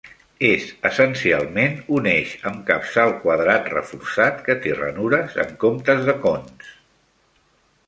És essencialment un eix amb capçal quadrat reforçat que té ranures en comptes de cons.